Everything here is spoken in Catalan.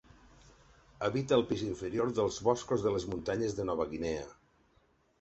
Habita el pis inferior dels boscos de les muntanyes de Nova Guinea.